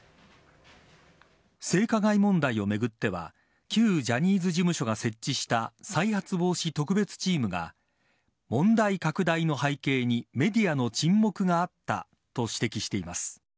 性加害問題を巡っては旧ジャニーズ事務所が設置した再発防止特別チームが問題拡大の背景にメディアの沈黙があったと指摘しています。